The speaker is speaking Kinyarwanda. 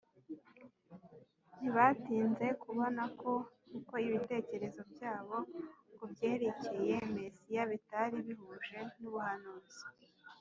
Ntibatinze kubona ko uko ibitekerezo byabo ku byerekeye Mesiya bitari bihuje n’ubuhanuzi;